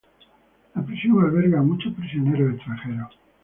La prisión alberga a muchos prisioneros extranjeros.